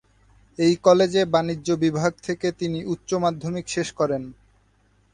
একই কলেজে বাণিজ্য বিভাগ থেকে তিনি উচ্চ-মাধ্যমিক শেষ করেন।